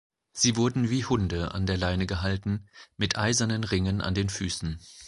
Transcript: Sie wurden wie Hunde an der Leine gehalten, mit eisernen Ringen an den Füßen.